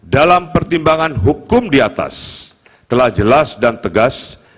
dalam pertimbangan hukum di atas telah jelas dan tegas